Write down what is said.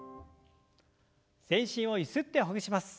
全身をゆすってほぐします。